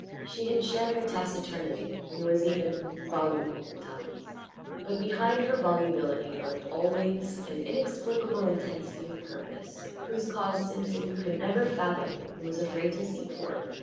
She had shed her taciturnity and was even voluble at times. But behind her volubility lurked always an inexplicable intensity of purpose whose cause Simpson could never fathom and was afraid to seek for.